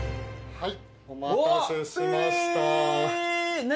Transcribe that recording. はい。